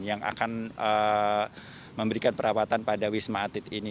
yang akan memberikan perawatan pada wisma atlet ini